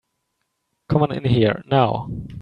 Come on in here now.